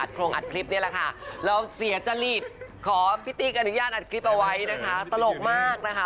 โครงอัดคลิปนี่แหละค่ะเราเสียจริตขอพี่ติ๊กอนุญาตอัดคลิปเอาไว้นะคะตลกมากนะคะ